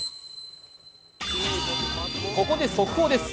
ここで速報です。